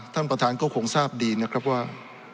ท่านประธานก็คงทราบดีนะครับว่า